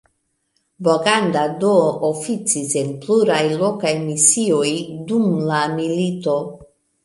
Boganda do oficis en pluraj lokaj misioj dum la milito.